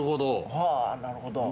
はぁなるほど。